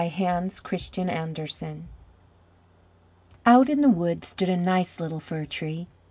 HANS CHRISTIAN ANDERSEN Out in the woods stood a nice little Fir tree.